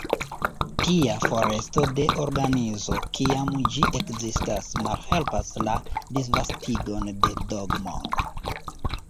Tia foresto de organizo, kiam ĝi ekzistas, malhelpas la disvastigon de dogmoj.